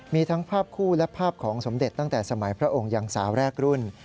มีทั้งภาพคู่และภาพของสมเด็จตั้งแต่สมัยพระองค์ยังสาวแรกรุ่น